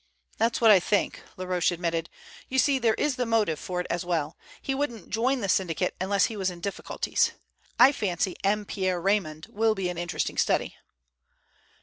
"That's what I think," Laroche admitted. "You see, there is the motive for it as well. He wouldn't join the syndicate unless he was in difficulties. I fancy M. Pierre Raymond will be an interesting study."